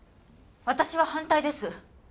私は反対です！